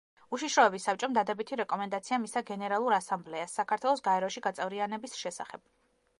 უშიშროების საბჭომ დადებითი რეკომენდაცია მისცა გენერალურ ასამბლეას საქართველოს გაეროში გაწევრიანების შესახებ.